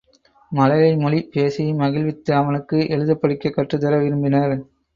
மழலை மொழி பேசி மகிழ்வித்த அவனுக்கு எழுதப்படிக்கக் கற்றுத்தர விரும்பினர்.